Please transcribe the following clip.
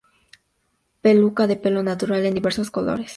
Peluca de pelo natural en diversos colores.